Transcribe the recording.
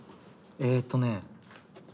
えっとね